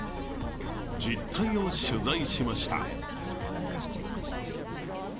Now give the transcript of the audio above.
実態を取材しました。